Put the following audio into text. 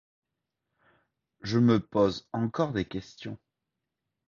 Je me pose encore des questions.